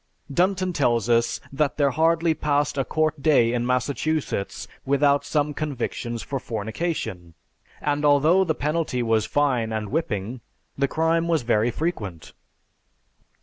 Dunton tells us that there hardly passed a court day in Massachusetts without some convictions for fornication, and although the penalty was fine and whipping, the crime was very frequent.